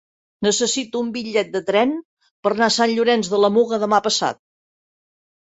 Necessito un bitllet de tren per anar a Sant Llorenç de la Muga demà passat.